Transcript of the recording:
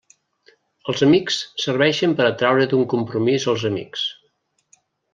Els amics serveixen per a traure d'un compromís els amics.